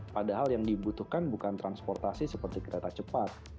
padahal yang dibutuhkan bukan transportasi seperti kereta cepat